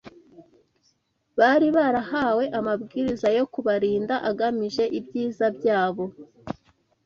bari barahawe amabwiriza yo kubarinda agamije ibyiza byabo